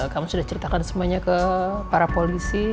kami sudah ceritakan semuanya ke para polisi